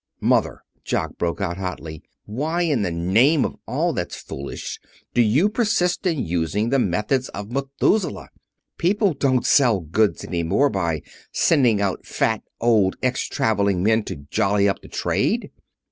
"Mother," Jock broke out hotly, "why in the name of all that's foolish do you persist in using the methods of Methuselah! People don't sell goods any more by sending out fat old ex traveling men to jolly up the trade."